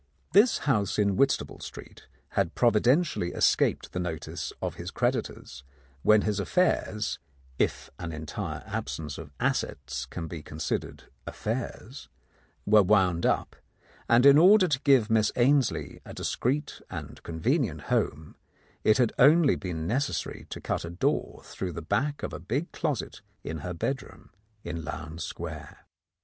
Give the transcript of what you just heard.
This house in Whitstaple Street had providentially escaped the notice of his creditors when his affairs — if an entire absence of assets can be considered affairs — were wound up, and in order to give Miss Ainslie a discreet and convenient home, it had only been necessary to cut a door through the back of a big closet in her bedroom in Lowndes Square.